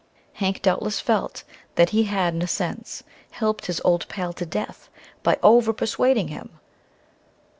Hank doubtless felt that he had in a sense helped his old pal to death by overpersuading him.